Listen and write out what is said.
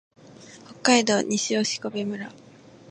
北海道西興部村